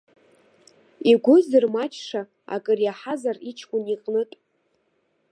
Игәы зырмаҷша акыр иаҳазар иҷкәын иҟнытә?